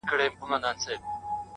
راته راکړۍ څه ډوډۍ مسلمانانو!